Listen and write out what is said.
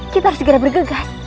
kita harus segera bergegas